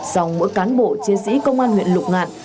dòng mỗi cán bộ chiến sĩ công an huyện lục ngạn